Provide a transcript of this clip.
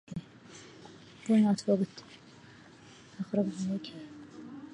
أغرب عن وجهي